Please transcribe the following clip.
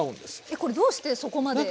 えっこれどうしてそこまで？